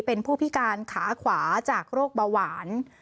เป็นผู้พิการขาขวาจากโรคเบาหวาน